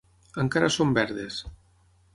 Encara són verdes.